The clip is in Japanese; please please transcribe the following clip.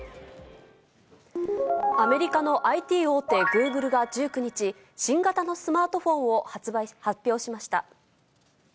アメリカのＩＴ大手、グーグルが１９日、新型のスマートフォンを発表しました。